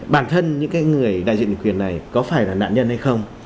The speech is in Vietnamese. bản thân những người đại diện ủy quyền này có phải là nạn nhân hay không